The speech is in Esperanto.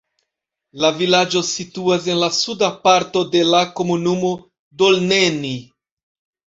La vilaĝo situas en la suda parto de la komunumo Dolneni.